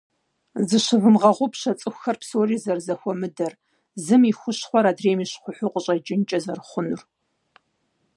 Зыщывмыгъэгъупщэ цӀыхухэр псори зэрызэхуэмыдэр, зым и хущхъуэр адрейм и щхъухьу къыщӀэкӀынкӀэ зэрыхъунур.